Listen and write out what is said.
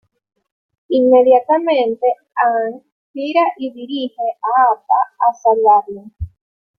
Inmediatamente, Aang gira y dirige a Appa a salvarlo.